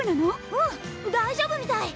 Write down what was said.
うん大丈夫みたい！